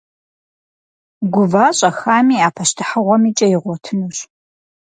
Гува щӏэхами, а пащтыхьыгъуэми кӏэ игъуэтынущ.